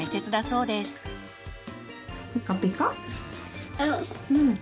うん。